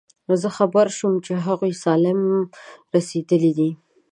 زه خبر شوم چې هغوی سالم رسېدلي دي.